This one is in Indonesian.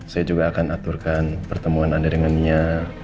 saya juga akan aturkan pertemuan anda dengan nia